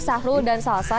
sahru dan salsa